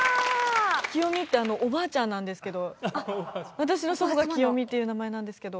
キヨミっておばあちゃんなんですけど、私の祖母がキヨミという名前なんですけど。